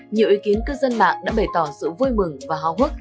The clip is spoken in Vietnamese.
nhiều ý kiến cư dân mạng đã bày tỏ sự vui mừng và hào hức